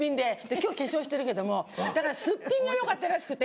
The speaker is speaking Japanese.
今日化粧してるけどもだからすっぴんがよかったらしくて。